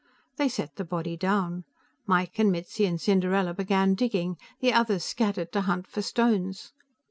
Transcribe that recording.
They set the body down. Mike and Mitzi and Cinderella began digging; the others scattered to hunt for stones.